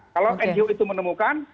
kalau ngo itu menemukan